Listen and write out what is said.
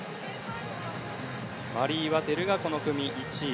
マリー・ワテルがこの組１位。